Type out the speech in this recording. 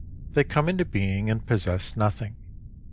They come into being and possess nothing.